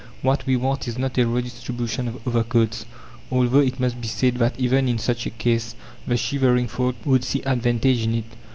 What we want is not a redistribution of overcoats, although it must be said that even in such a case, the shivering folk would see advantage in it.